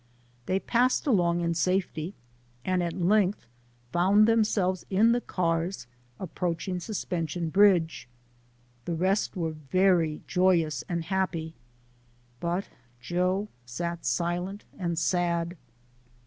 They passed along in safety, and at length found themselves in the cars, approach ing Suspension Bridge. The rest were very joyous and happy, "but Joe sat silent and sad.